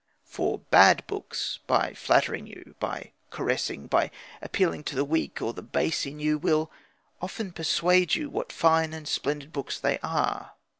For bad books, by flattering you, by caressing, by appealing to the weak or the base in you, will often persuade you what fine and splendid books they are.